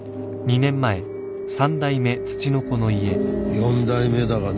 四代目だがね